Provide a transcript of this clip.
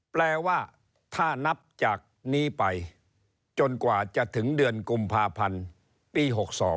แปลว่าถ้านับจากนี้ไปจนกว่าจะถึงเดือนกุมภาพันธ์ปี๖๒